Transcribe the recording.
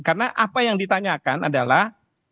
karena apa yang ditanyakan adalah